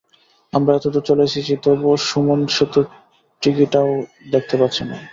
আমরা এতদূর চলে এসেছি তবুও সুমুন সেতুর টিকিটাও দেখতে পাচ্ছি না।